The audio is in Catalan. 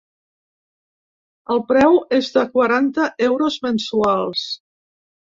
El preu és de quaranta euros mensuals.